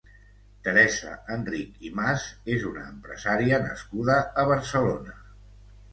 Teresa Enrich i Mas és una empresària nascuda a Barcelona.